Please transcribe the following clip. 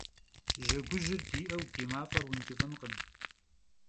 Жьэгужьыр диӏэу ди мафӏэр ункӏыфӏынкъым.